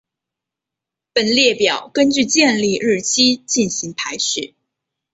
本列表根据建立日期进行排序。